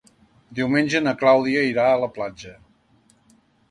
Diumenge na Clàudia irà a la platja.